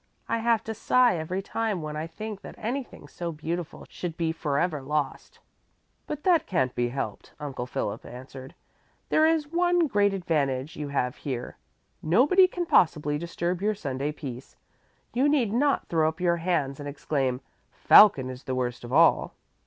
I have to sigh every time when I think that anything so beautiful should be forever lost." "But that can't be helped," Uncle Philip answered. "There is one great advantage you have here. Nobody can possibly disturb your Sunday peace. You need not throw up your hands and exclaim: 'Falcon is the worst of all.'"